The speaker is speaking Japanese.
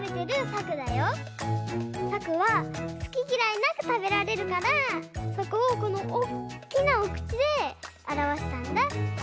さくはすききらいなくたべられるからそこをこのおっきなおくちであらわしたんだ！